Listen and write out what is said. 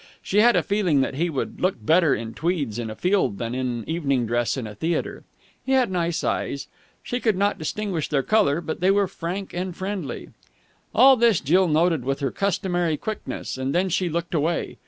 She had a feeling that he would look better in tweeds in a field than in evening dress in a theatre. He had nice eyes. She could not distinguish their colour, but they were frank and friendly. All this Jill noted with her customary quickness, and then she looked away.